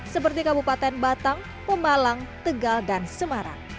seperti kabupaten batang pemalang tegal dan semarang